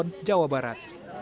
di jawa barat